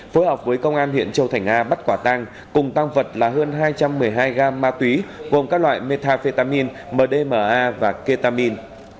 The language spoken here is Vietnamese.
phối hợp với công an huyện châu thành a bắt quả tang cùng tăng vật là hơn hai trăm một mươi hai gam ma túy gồm các loại metafetamin mdma và ketamin